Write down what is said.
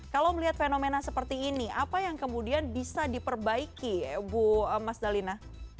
kalau melihat fenomena seperti ini apa yang kemudian bisa diperbaiki bu mas dalina